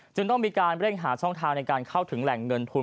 จึงต้องมีการเร่งหาช่องทางในการเข้าถึงแหล่งเงินทุน